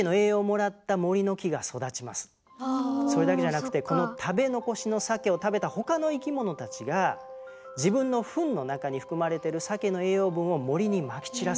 それだけじゃなくてこの食べ残しのサケを食べた他の生き物たちが自分のフンの中に含まれてるサケの栄養分を森にまき散らすんです。